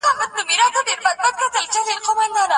ډاکټرانو د ممکنه زیان په اړه اندېښنه لري.